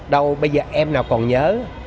đâu bây giờ em nào còn nhớ